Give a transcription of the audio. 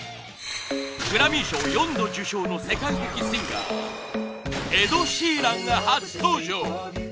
グラミー賞４度受賞の世界的シンガーエド・シーランが初登場！